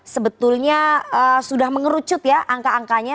sebetulnya sudah mengerucut ya angka angkanya